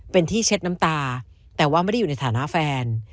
เป็นที่เช็ดน้ำตาแต่ว่าไม่ได้อยู่ในฐานะแฟน